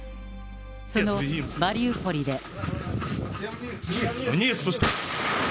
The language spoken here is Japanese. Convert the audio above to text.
そのマリウポリで。